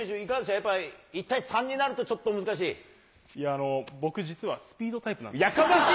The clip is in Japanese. やっぱり１対３になるとちょっといやー、僕、実はスピードタやかましい！